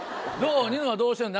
ニノはどうしてるの？